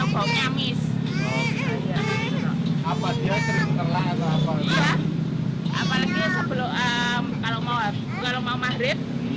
cuma baunya kalau lewat